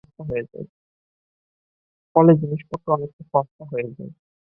ফলে জিনিসপত্র অনেকটা সস্তা হয়ে যায়।